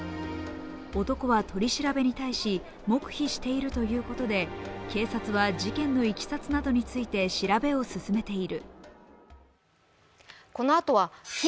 男は取り調べに対し、黙秘しているということで警察は事件のいきさつなどについて調べを進めている。